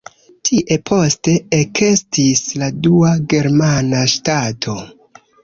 Tie poste ekestis la dua germana ŝtato.